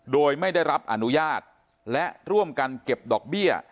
โดยไม่ได้รับอนุญาตและร่วมกันเก็บดอกเบี้ย